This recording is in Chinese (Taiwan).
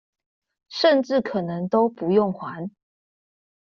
甚至可能都不用還